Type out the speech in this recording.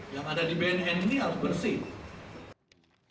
yang ada di bnn ini harus bersih